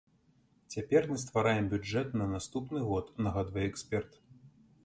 Цяпер мы ствараем бюджэт на наступны год, нагадвае эксперт.